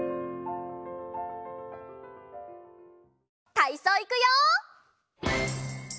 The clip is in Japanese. たいそういくよ！